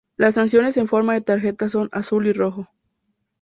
Las sanciones en forma de tarjeta son: azul y rojo.